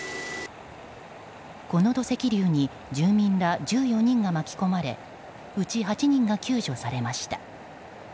この土石流に住民ら１４人が巻き込まれうち８人が救助されました。